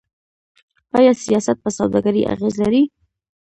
آیا سیاست په سوداګرۍ اغیز لري؟